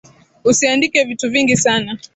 Usiandike vitu vingi sana.